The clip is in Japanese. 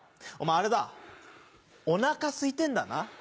お前あれだお腹すいてんだな。